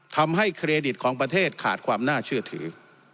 เครดิตของประเทศขาดความน่าเชื่อถือ